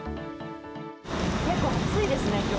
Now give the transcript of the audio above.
結構暑いですね、きょう。